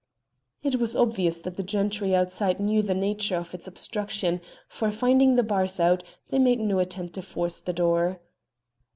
It was obvious that the gentry outside knew the nature of this obstruction, for, finding the bars out, they made no attempt to force the door.